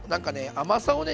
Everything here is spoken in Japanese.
甘さをね